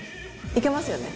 いけますよね。